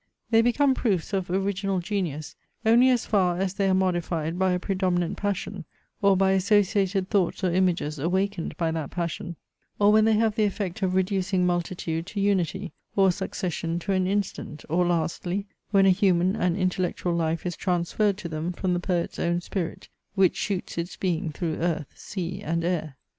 They become proofs of original genius only as far as they are modified by a predominant passion; or by associated thoughts or images awakened by that passion; or when they have the effect of reducing multitude to unity, or succession to an instant; or lastly, when a human and intellectual life is transferred to them from the poet's own spirit, Which shoots its being through earth, sea, and air.